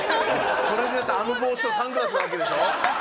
それであの帽子とサングラスなわけでしょ？